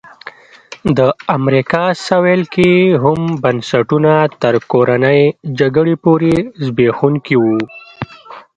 د امریکا سوېل کې هم بنسټونه تر کورنۍ جګړې پورې زبېښونکي وو.